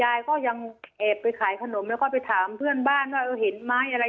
ยายก็ยังแอบไปขายขนมแล้วก็ไปถามเพื่อนบ้านว่าเห็นไหมอะไร